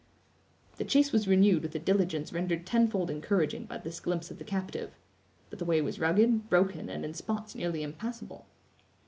The chase was renewed with a diligence rendered tenfold encouraging by this glimpse of the captive. But the way was rugged, broken, and in spots nearly impassable.